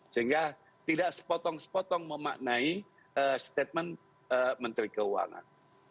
sehingga tidak sepotong sepotong memaknai statement menteri keuangan